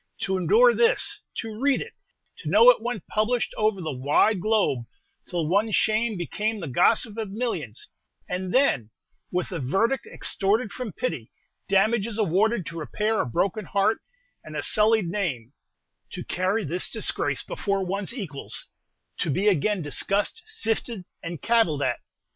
To endure this to read it to know it went published over the wide globe, till one's shame became the gossip of millions and then with a verdict extorted from pity, damages awarded to repair a broken heart and a sullied name to carry this disgrace before one's equals, to be again discussed, sifted, and cavilled at!